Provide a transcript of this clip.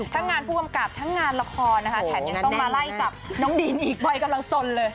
งานผู้กำกับทั้งงานละครนะคะแถมยังต้องมาไล่จับน้องดินอีกบ่อยกำลังสนเลย